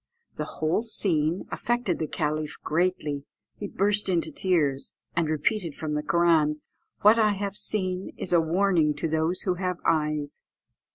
The whole scene affected the caliph greatly; he burst into tears, and repeated from the Koran "What I have seen is a warning to those who have eyes."